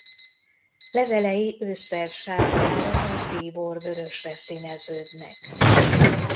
Levelei ősszel sárgára vagy bíborvörösre színeződnek.